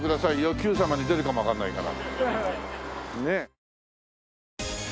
『Ｑさま！！』に出るかもわかんないから。